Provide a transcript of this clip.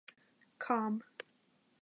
Comm.